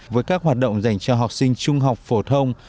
với các hoạt động dành cho học sinh trung học phổ thông